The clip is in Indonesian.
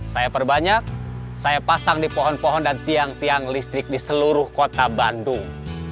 saya perbanyak saya pasang di pohon pohon dan tiang tiang listrik di seluruh kota bandung